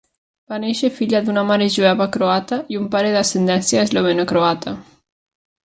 Va néixer filla d'una mare jueva croata i un pare d'ascendència esloveno-croata.